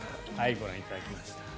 ご覧いただきました。